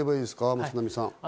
松並さん。